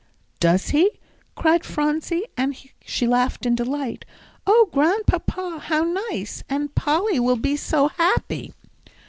"Does he?" cried Phronsie, and she laughed in delight. "Oh, Grandpapa, how nice! And Polly will be so happy."